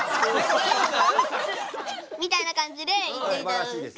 みたいな感じで言ってみたらどうですか？